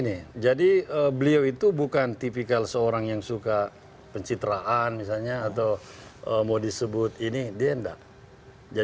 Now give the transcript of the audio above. namun saya ingin beri pengetahuan kepada pak jk